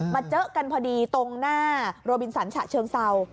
เจอกันพอดีตรงหน้าโรบินสันฉะเชิงเศร้า